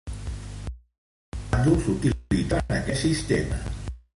Els dos bàndols utilitzaven este sistema.